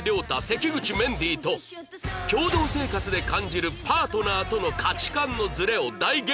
関口メンディーと共同生活で感じるパートナーとの価値観のズレを大激論！